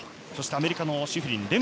そして、アメリカのシフリン。